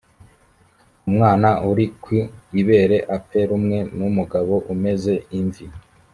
umwana uri ku ibere apfe rumwe n’umugabo umeze imvi.